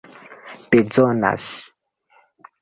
bezonas